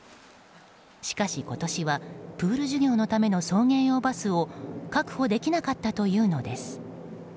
しかし、今年はプール授業のための送迎用バスを確保できなかったというのです。